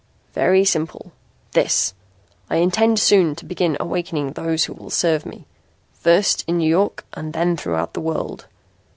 "Very simple. This: I intend soon to begin awakening those who will serve me, first in New York and then throughout the world.